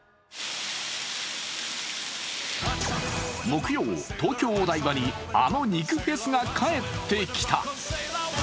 木曜、東京・お台場に、あの肉フェスが帰ってきた。